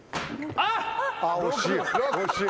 ああ惜しい。